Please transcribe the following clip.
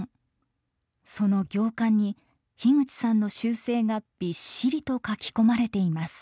その行間に口さんの修正がびっしりと書き込まれています。